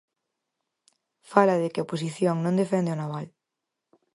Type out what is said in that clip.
Fala de que a oposición non defende o naval.